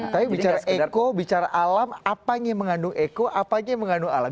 tapi bicara eco bicara alam apanya yang mengandung eco apanya yang mengandung alam